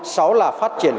sáu là phát triển